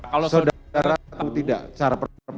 kalau saudara tahu tidak cara perpindahan